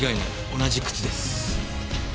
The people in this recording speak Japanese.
同じ靴です。